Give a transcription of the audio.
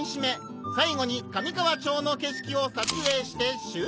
最後に上川町の景色を撮影して終了